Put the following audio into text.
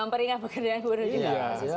peringat pekerjaan gubernur juga